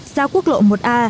ra quốc lộ một a